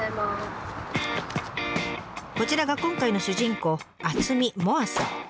こちらが今回の主人公渥美萌彩さん。